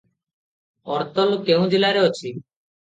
ଅର୍ତଲ କେଉଁ ଜିଲ୍ଲାରେ ଅଛି?